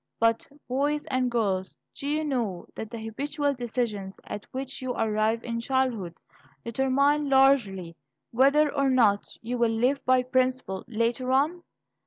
But, boys and girls, do you know that the habitual decisions at which you arrive in childhood, determine largely whether or not you will live by principle later on?